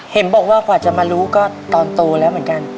เห็นบอกว่ากว่าจะมารู้ก็ตอนโตแล้วเหมือนกัน